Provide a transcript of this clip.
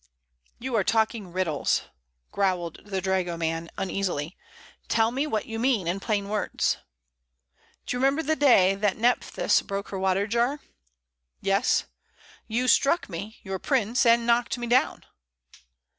"You are talking riddles," growled the dragoman, uneasily. "Tell me what you mean in plain words." "Do you remember the day that Nephthys broke her water jar?" "Yes." "You struck me, your prince, and knocked me down."